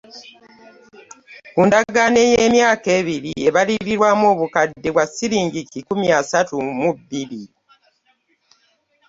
Ku ndagaano ey'emyaka ebiri ebalirirwamu obukadde bwa Ssiringi kikumi asatu mu biri.